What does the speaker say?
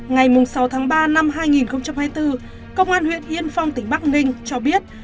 ngày sáu tháng ba năm hai nghìn hai mươi bốn công an huyện yên phong tỉnh bắc ninh cho biết